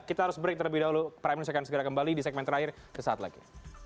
kita harus break terlebih dahulu prime news akan segera kembali di segmen terakhir sesaat lagi